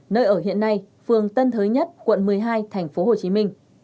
nơi ở hiện nay phường tân thới nhất quận một mươi hai tp hcm